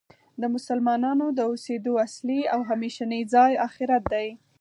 د مسلمانانو د اوسیدو اصلی او همیشنی ځای آخرت دی .